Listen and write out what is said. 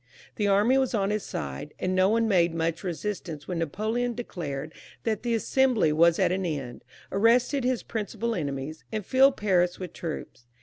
The army was on his side, and no one made much resistance when Napoleon declared that the Assembly was at an end, arrested his principal enemies, and filled Paris with troops.